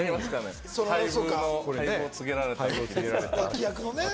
「廃部を告げられた」。